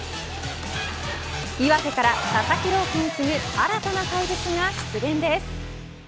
岩手から、佐々木朗希に次ぐ新たな怪物が出現です。